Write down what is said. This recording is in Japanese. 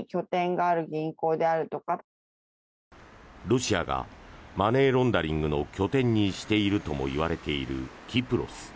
ロシアがマネーロンダリングの拠点にしているともいわれているキプロス。